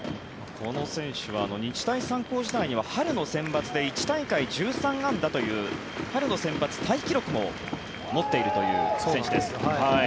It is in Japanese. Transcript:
この選手は日大三高時代には春のセンバツで１大会１３安打という春のセンバツタイ記録も持っているという選手です。